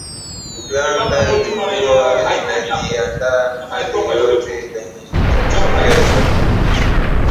Uganda ilikuwa inajiandaa na hali yoyote yenye itakayojitokeza